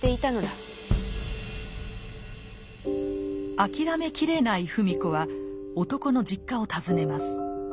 諦めきれない芙美子は男の実家を訪ねます。